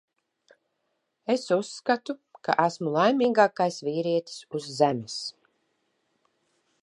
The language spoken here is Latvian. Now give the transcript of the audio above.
Es uzskatu, ka esmu laimīgākais vīrietis uz Zemes.